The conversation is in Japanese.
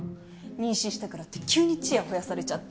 妊娠したからって急にちやほやされちゃって。